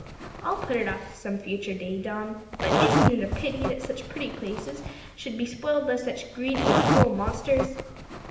"I'll put it off to some future day, Dom. But isn't it a pity that such pretty places should be spoiled by such greedy and cruel monsters?"